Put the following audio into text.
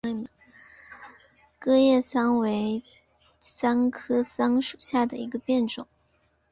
戟叶桑为桑科桑属下的一个变种。